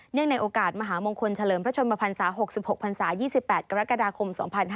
ในโอกาสมหามงคลเฉลิมพระชนมพันศา๖๖พันศา๒๘กรกฎาคม๒๕๕๙